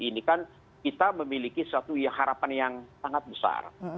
ini kan kita memiliki suatu harapan yang sangat besar